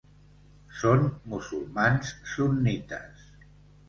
Són musulmans sunnites.